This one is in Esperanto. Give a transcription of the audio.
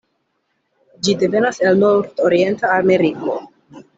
Ĝi devenas el nordorienta Ameriko.